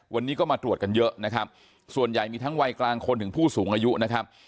วันนี้ก็มาตรวจกันเยอะนะครับส่วนใหญ่มีทั้งวัยกลางคนถึงผู้สูงอายุนะครับ